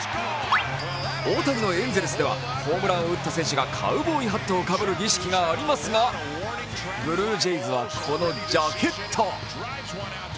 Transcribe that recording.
大谷のエンゼルスではホームランを打った選手がカウボーイハットをかぶる儀式がありますがブルージェイズはこのジャケット。